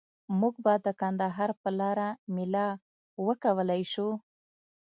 موږ به د کندهار په لاره میله وکولای شو؟